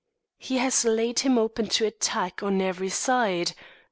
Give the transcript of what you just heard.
"He has laid him open to attack on every side.